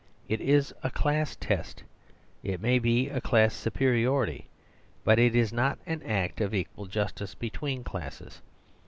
It is a class test; it may be a class superiority; but it is not an act of equal justice between the classes.